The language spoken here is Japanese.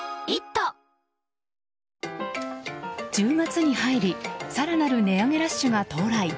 １０月に入り更なる値上げラッシュが到来。